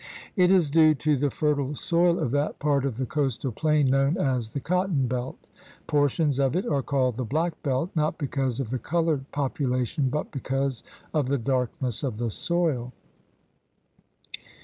It is due to the fertile soil of that part of the coastal plain known as the "cotton belt." Portions of it are called the "black belt," not because of the colored population, but because of the darkness of the soil.